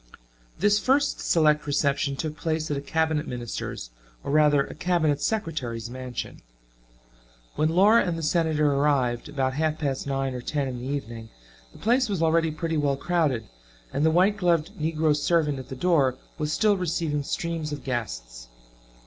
This first select reception took place at a cabinet minister's or rather a cabinet secretary's mansion. When Laura and the Senator arrived, about half past nine or ten in the evening, the place was already pretty well crowded, and the white gloved negro servant at the door was still receiving streams of guests.